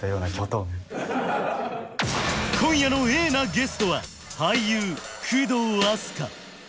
今夜のＡなゲストは俳優工藤阿須加